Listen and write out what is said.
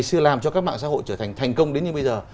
xưa làm cho các mạng xã hội trở thành thành công đến như bây giờ